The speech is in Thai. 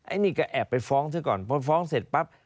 อันนี้ก็แอบไปฟ้องซะก่อนพอฟ้องเสร็จปั๊บ